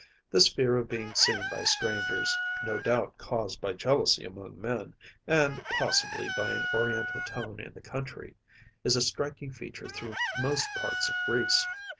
This fear of being seen by strangers‚ÄĒno doubt caused by jealousy among men, and, possibly, by an Oriental tone in the country‚ÄĒis a striking feature through most parts of Greece.